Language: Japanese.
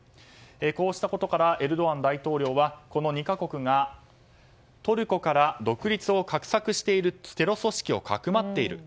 こうしたことからエルドアン大統領はこの２か国がトルコから独立を画策しているテロ組織をかくまっている。